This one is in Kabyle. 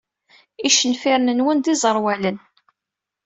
Icenfiren-nwen d iẓerwalen.